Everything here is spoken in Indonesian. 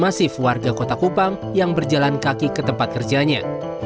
masih warga kota kupang yang berjalan kaki ke tempat kerjanya